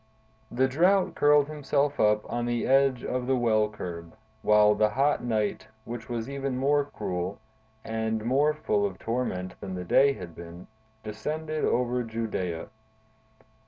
The Drought curled himself up on the edge of the well curb, while the hot night, which was even more cruel, and more full of torment than the day had been, descended over Judea.